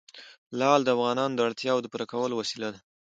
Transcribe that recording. لعل د افغانانو د اړتیاوو د پوره کولو وسیله ده.